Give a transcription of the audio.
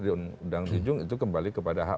di undang undang tujuh itu kembali kepada hak